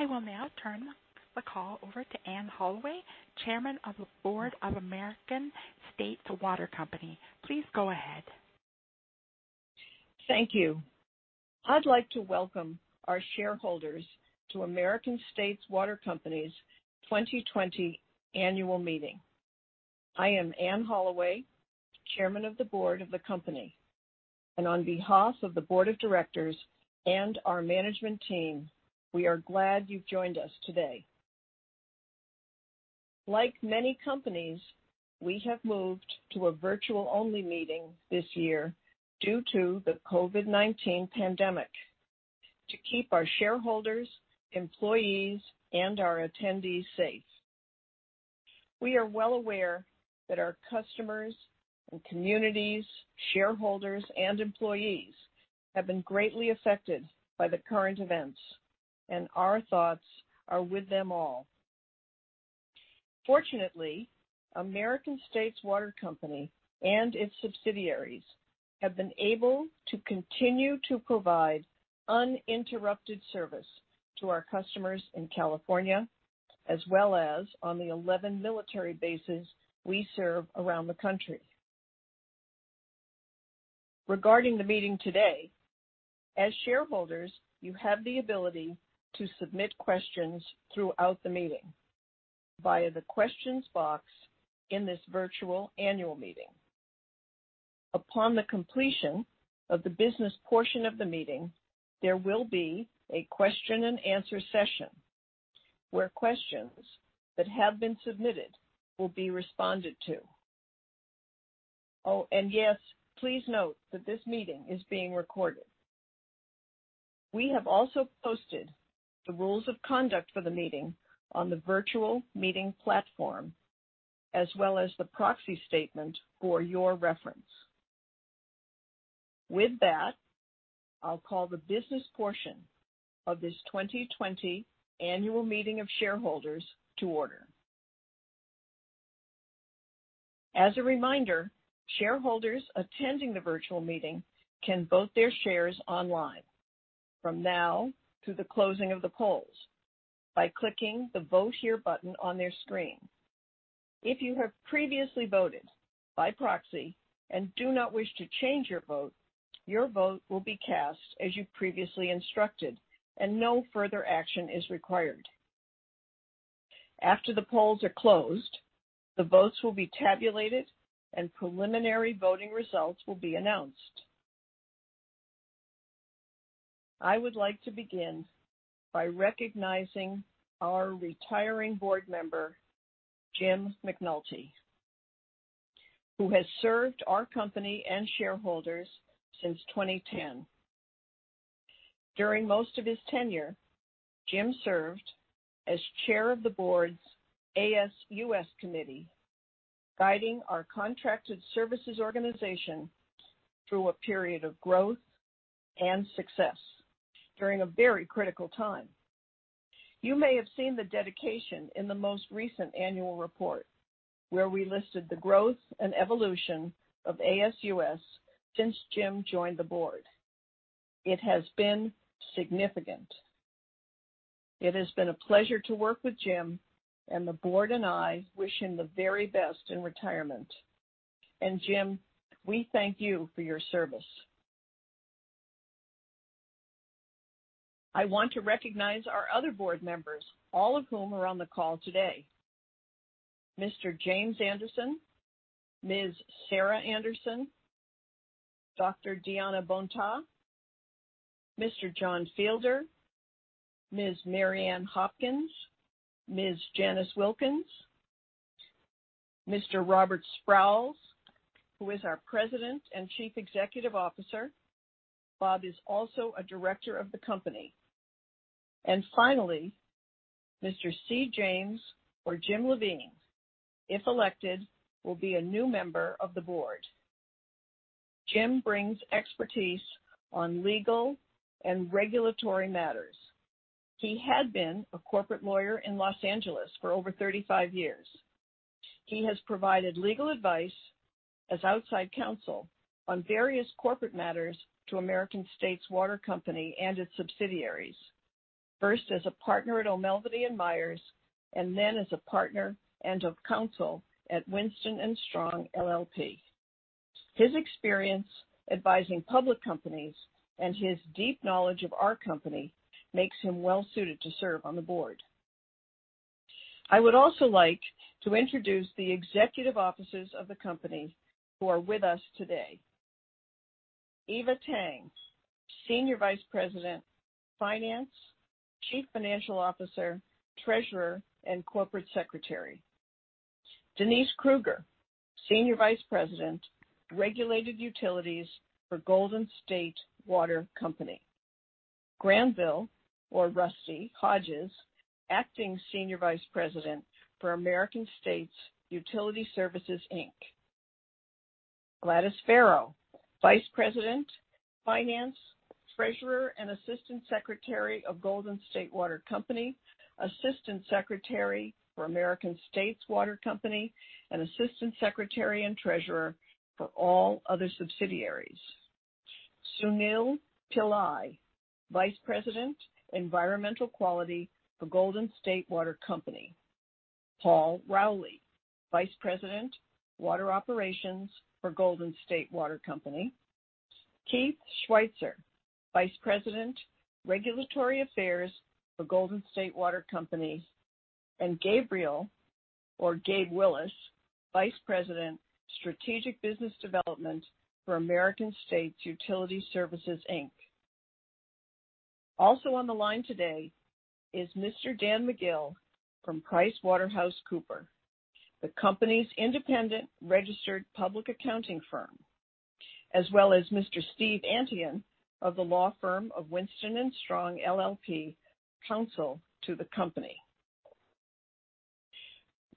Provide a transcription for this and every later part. I will now turn the call over to Anne Holloway, Chairman of the Board of American States Water Company. Please go ahead. Thank you. I'd like to welcome our shareholders to American States Water Company's 2020 annual meeting. I am Anne Holloway, Chair of the board of the company, and on behalf of the board of directors and our management team, we are glad you've joined us today. Like many companies, we have moved to a virtual-only meeting this year due to the COVID-19 pandemic to keep our shareholders, employees, and our attendees safe. We are well aware that our customers and communities, shareholders, and employees have been greatly affected by the current events, and our thoughts are with them all. Fortunately, American States Water Company and its subsidiaries have been able to continue to provide uninterrupted service to our customers in California, as well as on the 11 military bases we serve around the country. Regarding the meeting today, as shareholders, you have the ability to submit questions throughout the meeting via the questions box in this virtual annual meeting. Upon the completion of the business portion of the meeting, there will be a question and answer session where questions that have been submitted will be responded to. Oh, yes, please note that this meeting is being recorded. We have also posted the rules of conduct for the meeting on the virtual meeting platform, as well as the proxy statement for your reference. With that, I'll call the business portion of this 2020 annual meeting of shareholders to order. As a reminder, shareholders attending the virtual meeting can vote their shares online from now to the closing of the polls by clicking the Vote Here button on their screen. If you have previously voted by proxy and do not wish to change your vote, your vote will be cast as you previously instructed, and no further action is required. After the polls are closed, the votes will be tabulated, and preliminary voting results will be announced. I would like to begin by recognizing our retiring board member, Jim McNulty, who has served our company and shareholders since 2010. During most of his tenure, Jim served as chair of the board's ASUS committee, guiding our contracted services organization through a period of growth and success during a very critical time. You may have seen the dedication in the most recent annual report, where we listed the growth and evolution of ASUS since Jim joined the board. It has been significant. It has been a pleasure to work with Jim, and the board and I wish him the very best in retirement. Jim, we thank you for your service. I want to recognize our other board members, all of whom are on the call today. Mr. James Anderson, Ms. Sarah Anderson, Dr. Diana Bontá, Mr. John Fielder, Ms. Mary Ann Hopkins, Ms. Janice Wilkins, Mr. Robert Sprowls, who is our President and Chief Executive Officer. Bob is also a director of the company. Finally, Mr. C. James, or Jim Levin, if elected, will be a new member of the board. Jim brings expertise on legal and regulatory matters. He had been a corporate lawyer in Los Angeles for over 35 years. He has provided legal advice as outside counsel on various corporate matters to American States Water Company and its subsidiaries, first as a partner at O'Melveny & Myers and then as a partner and of counsel at Winston & Strawn LLP. His experience advising public companies and his deep knowledge of our company makes him well-suited to serve on the board. I would also like to introduce the executive officers of the company who are with us today. Eva Tang, Senior Vice President, Finance, Chief Financial Officer, Treasurer, and Corporate Secretary. Denise Kruger, Senior Vice President, Regulated Utilities for Golden State Water Company. Granville, or Rusty, Hodges, Acting Senior Vice President for American States Utility Services, Inc. Gladys Farrow, Vice President, Finance, Treasurer, and Assistant Secretary of Golden State Water Company, Assistant Secretary for American States Water Company, and Assistant Secretary and Treasurer for all other subsidiaries. Sunil Pillai, Vice President, Environmental Quality for Golden State Water Company. Paul Rowley, Vice President, Water Operations for Golden State Water Company. Keith Switzer, Vice President, Regulatory Affairs for Golden State Water Company, and Gabriel or Gabe Willis, Vice President, Strategic Business Development for American States Utility Services, Inc. Also on the line today is Mr. Dan McGill from PricewaterhouseCoopers, the company's independent registered public accounting firm, as well as Mr. Steve Antion of the law firm of Winston & Strawn LLP, counsel to the company.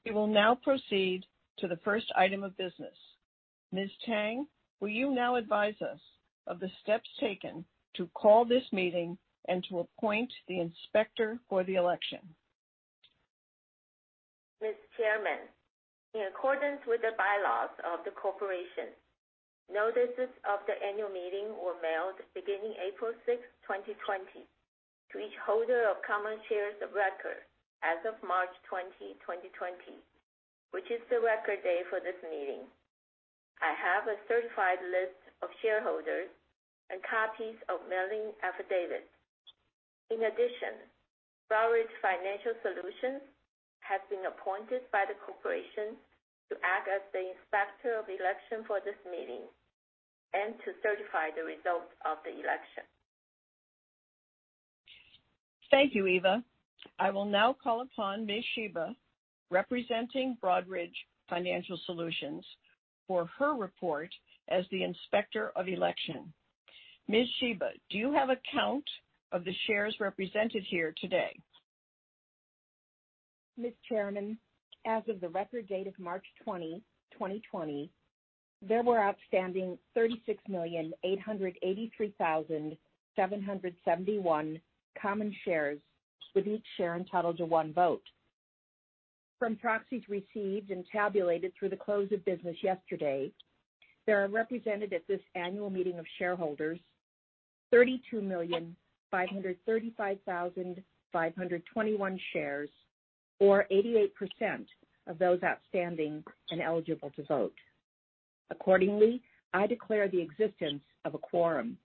We will now proceed to the first item of business. Ms. Tang, will you now advise us of the steps taken to call this meeting and to appoint the inspector for the election? Ms. Chairman, in accordance with the bylaws of the corporation, notices of the annual meeting were mailed beginning April 6th, 2020, to each holder of common shares of record as of March 20, 2020, which is the record day for this meeting. I have a certified list of shareholders and copies of mailing affidavits. In addition, Broadridge Financial Solutions has been appointed by the corporation to act as the Inspector of Election for this meeting and to certify the results of the election. Thank you, Eva. I will now call upon Ms. Shiba, representing Broadridge Financial Solutions for her report as the Inspector of Election. Ms. Shiba, do you have a count of the shares represented here today? Ms. Chair, as of the record date of March 20, 2020, there were outstanding 36,883,771 common shares, with each share entitled to one vote. From proxies received and tabulated through the close of business yesterday, there are represented at this annual meeting of shareholders 32,535,521 shares, or 88% of those outstanding and eligible to vote. Accordingly, I declare the existence of a quorum.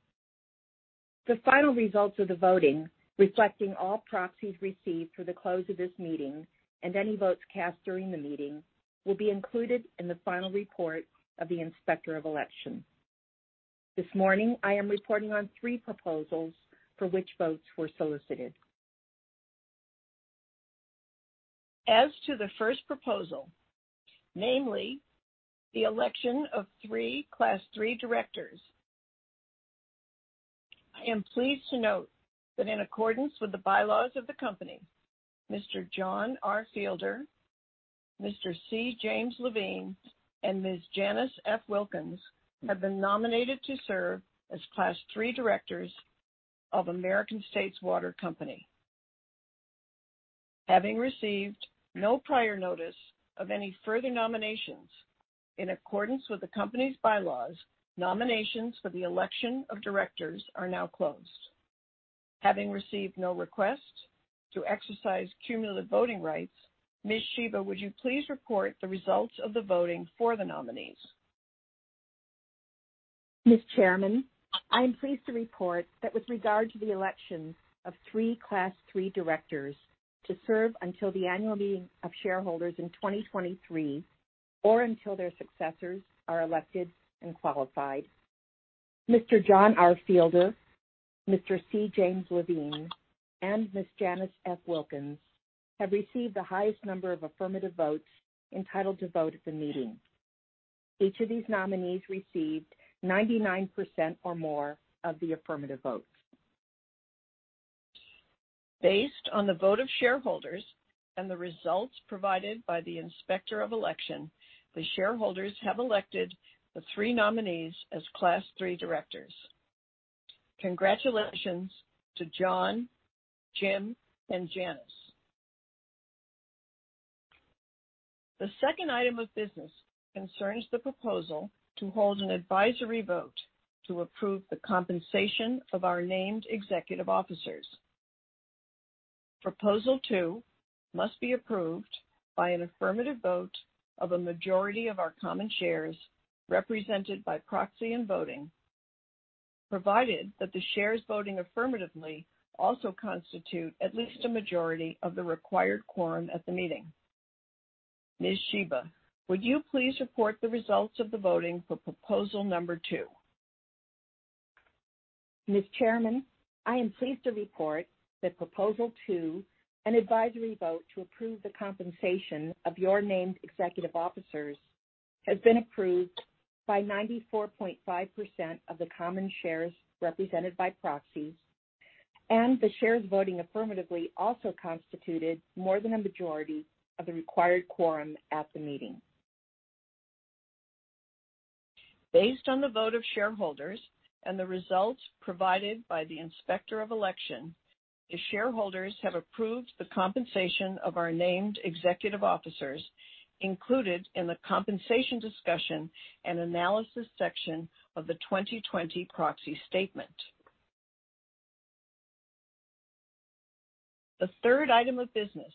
The final results of the voting, reflecting all proxies received through the close of this meeting and any votes cast during the meeting, will be included in the final report of the Inspector of Election. This morning, I am reporting on three proposals for which votes were solicited. As to the first proposal, namely the election of three Class three directors, I am pleased to note that in accordance with the bylaws of the company, Mr. John R. Fielder, Mr. C. James Levin, and Ms. Janice F. Wilkins have been nominated to serve as Class three directors of American States Water Company. Having received no prior notice of any further nominations, in accordance with the company's bylaws, nominations for the election of directors are now closed. Having received no request to exercise cumulative voting rights, Ms. Shiba, would you please report the results of the voting for the nominees? Ms. Chairman, I am pleased to report that with regard to the election of three Class 3 directors to serve until the annual meeting of shareholders in 2023 or until their successors are elected and qualified, Mr. John R. Fielder, Mr. C. James Levin, and Ms. Janice F. Wilkins have received the highest number of affirmative votes entitled to vote at the meeting. Each of these nominees received 99% or more of the affirmative votes. Based on the vote of shareholders and the results provided by the Inspector of Election, the shareholders have elected the three nominees as Class 3 directors. Congratulations to John, Jim, and Janice. The second item of business concerns the proposal to hold an advisory vote to approve the compensation of our named executive officers. Proposal 2 must be approved by an affirmative vote of a majority of our common shares, represented by proxy and voting, provided that the shares voting affirmatively also constitute at least a majority of the required quorum at the meeting. Ms. Shiba, would you please report the results of the voting for proposal number 2? Ms. Chairman, I am pleased to report that proposal 2, an advisory vote to approve the compensation of your named executive officers, has been approved by 94.5% of the common shares represented by proxies, and the shares voting affirmatively also constituted more than a majority of the required quorum at the meeting. Based on the vote of shareholders and the results provided by the Inspector of Election. The shareholders have approved the compensation of our named executive officers included in the compensation discussion and analysis section of the 2020 proxy statement. The third item of business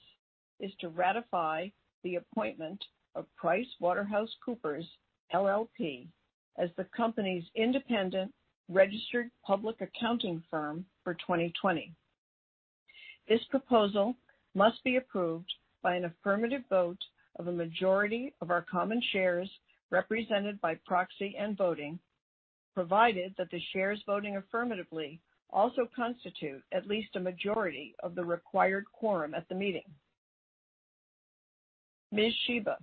is to ratify the appointment of PricewaterhouseCoopers, LLP as the company's independent registered public accounting firm for 2020. This proposal must be approved by an affirmative vote of a majority of our common shares represented by proxy and voting, provided that the shares voting affirmatively also constitute at least a majority of the required quorum at the meeting. Ms. Shiba,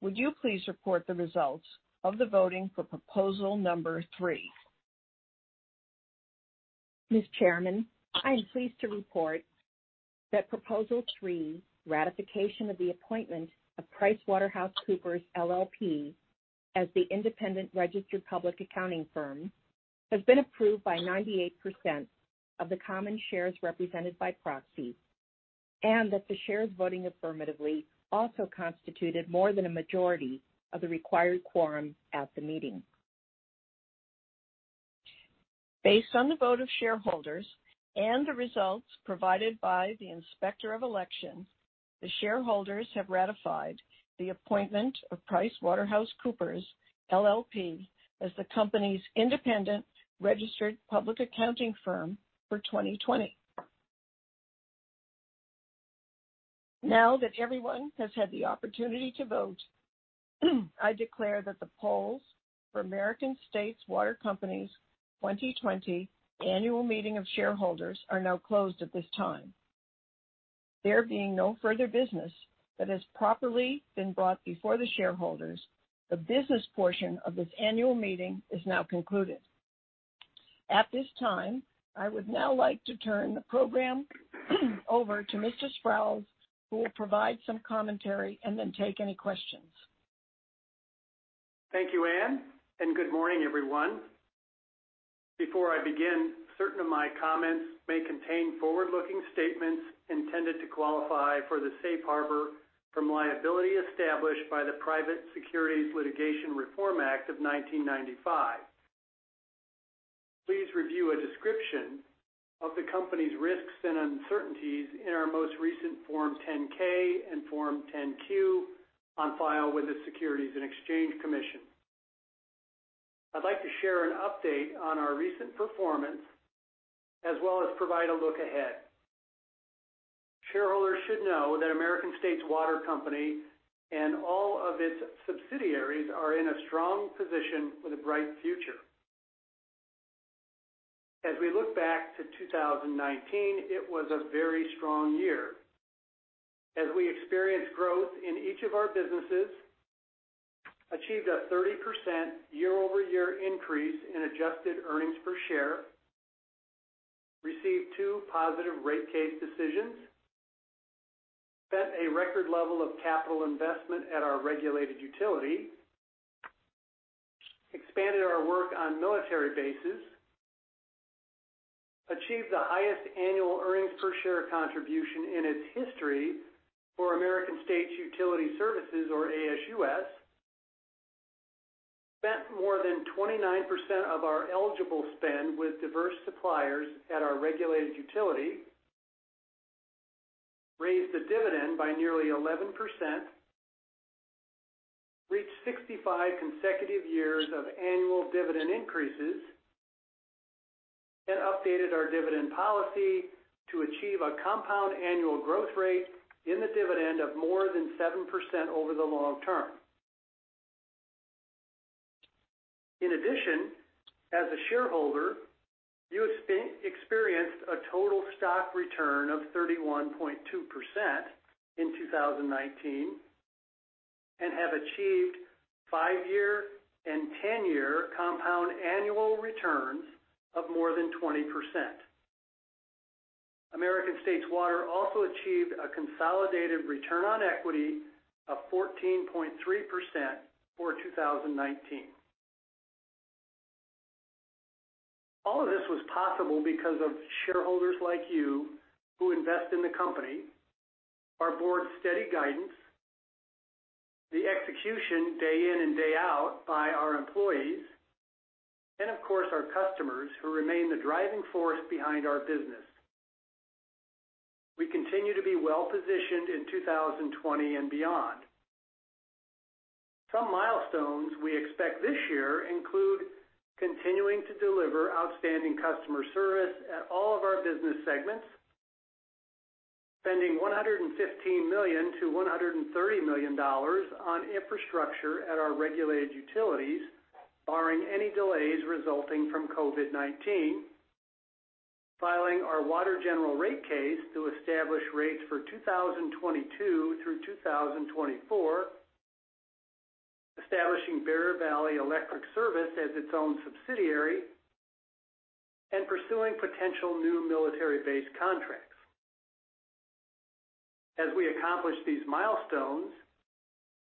would you please report the results of the voting for proposal number three? Ms. Chairman, I am pleased to report that proposal 3, ratification of the appointment of PricewaterhouseCoopers, LLP as the independent registered public accounting firm, has been approved by 98% of the common shares represented by proxy, and that the shares voting affirmatively also constituted more than a majority of the required quorum at the meeting. Based on the vote of shareholders and the results provided by the Inspector of Election, the shareholders have ratified the appointment of PricewaterhouseCoopers, LLP as the company's independent registered public accounting firm for 2020. Now that everyone has had the opportunity to vote, I declare that the polls for American States Water Company's 2020 annual meeting of shareholders are now closed at this time. There being no further business that has properly been brought before the shareholders, the business portion of this annual meeting is now concluded. At this time, I would now like to turn the program over to Mr. Sprowls, who will provide some commentary and then take any questions. Thank you, Anne, and good morning, everyone. Before I begin, certain of my comments may contain forward-looking statements intended to qualify for the safe harbor from liability established by the Private Securities Litigation Reform Act of 1995. Please review a description of the company's risks and uncertainties in our most recent Form 10-K and Form 10-Q on file with the Securities and Exchange Commission. I'd like to share an update on our recent performance, as well as provide a look ahead. Shareholders should know that American States Water Company and all of its subsidiaries are in a strong position with a bright future. As we look back to 2019, it was a very strong year, as we experienced growth in each of our businesses, achieved a 30% year-over-year increase in adjusted earnings per share, received two positive rate case decisions, set a record level of capital investment at our regulated utility, expanded our work on military bases, achieved the highest annual earnings per share contribution in its history for American States Utility Services, or ASUS, spent more than 29% of our eligible spend with diverse suppliers at our regulated utility, raised the dividend by nearly 11%, reached 65 consecutive years of annual dividend increases, and updated our dividend policy to achieve a compound annual growth rate in the dividend of more than 7% over the long term. In addition, as a shareholder, you experienced a total stock return of 31.2% in 2019 and have achieved five-year and 10-year compound annual returns of more than 20%. American States Water also achieved a consolidated return on equity of 14.3% for 2019. All of this was possible because of shareholders like you who invest in the company, our board's steady guidance, the execution day in and day out by our employees, and of course, our customers, who remain the driving force behind our business. We continue to be well-positioned in 2020 and beyond. Some milestones we expect this year include continuing to deliver outstanding customer service at all of our business segments, spending $115 million-$130 million on infrastructure at our regulated utilities, barring any delays resulting from COVID-19, filing our water general rate case to establish rates for 2022 through 2024, establishing Bear Valley Electric Service as its own subsidiary, and pursuing potential new military base contracts. As we accomplish these milestones,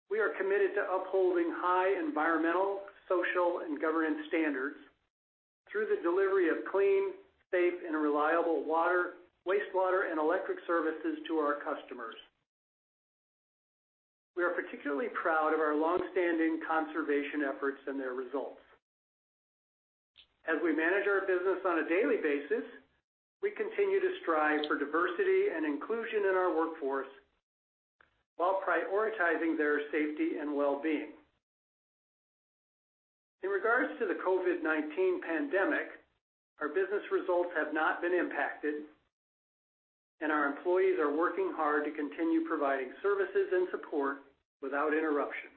we are committed to upholding high environmental, social, and governance standards through the delivery of clean, safe, and reliable water, wastewater, and electric services to our customers. We are particularly proud of our longstanding conservation efforts and their results. As we manage our business on a daily basis, we continue to strive for diversity and inclusion in our workforce while prioritizing their safety and well-being. In regards to the COVID-19 pandemic, our business results have not been impacted, and our employees are working hard to continue providing services and support without interruption.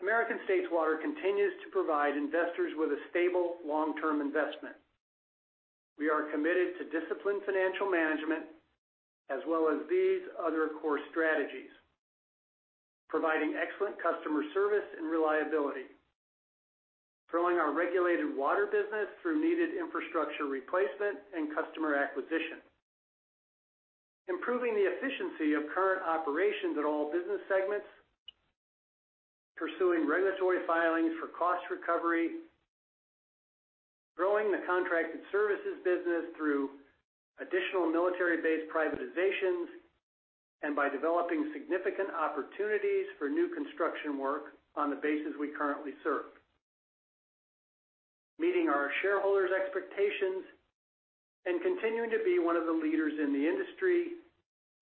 American States Water continues to provide investors with a stable, long-term investment. We are committed to disciplined financial management as well as these other core strategies: providing excellent customer service and reliability, growing our regulated water business through needed infrastructure replacement and customer acquisition, improving the efficiency of current operations at all business segments, pursuing regulatory filings for cost recovery, growing the contracted services business through additional military base privatizations and by developing significant opportunities for new construction work on the bases we currently serve, meeting our shareholders' expectations, and continuing to be one of the leaders in the industry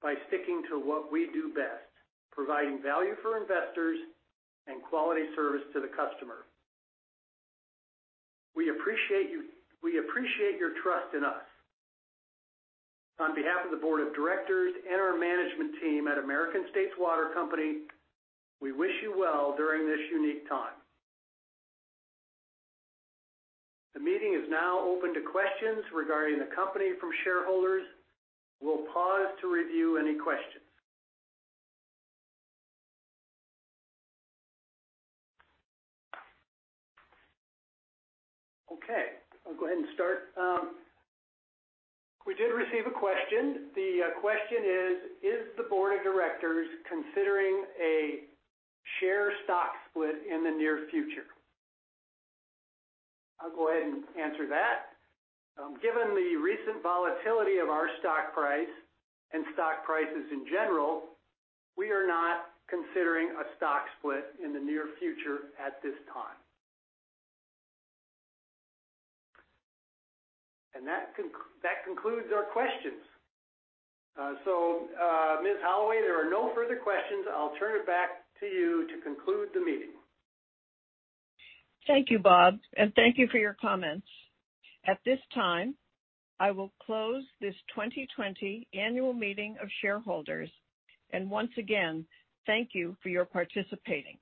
by sticking to what we do best: providing value for investors and quality service to the customer. We appreciate your trust in us. On behalf of the board of directors and our management team at American States Water Company, we wish you well during this unique time. The meeting is now open to questions regarding the company from shareholders. We'll pause to review any questions. Okay, I'll go ahead and start. We did receive a question. The question is: Is the board of directors considering a share stock split in the near future? I'll go ahead and answer that. Given the recent volatility of our stock price and stock prices in general, we are not considering a stock split in the near future at this time. That concludes our questions. Ms. Holloway, there are no further questions. I'll turn it back to you to conclude the meeting. Thank you, Bob. Thank you for your comments. At this time, I will close this 2020 annual meeting of shareholders. Once again, thank you for your participating.